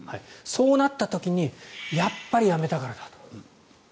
そうなった時にやっぱりやめたからだと。